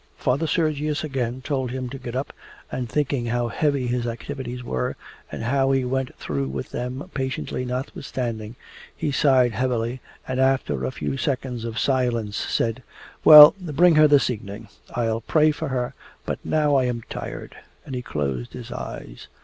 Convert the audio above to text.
Father Sergius again told him to get up, and thinking how heavy his activities were and how he went through with them patiently notwithstanding, he sighed heavily and after a few seconds of silence, said: 'Well, bring her this evening. I will pray for her, but now I am tired....' and he closed his eyes.